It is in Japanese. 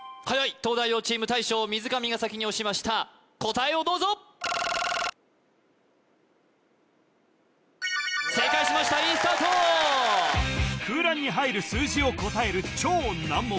東大王チーム大将水上が先に押しました答えをどうぞ正解しましたいいスタート空欄に入る数字を答える超難問